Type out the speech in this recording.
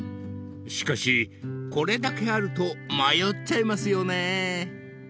［しかしこれだけあると迷っちゃいますよね］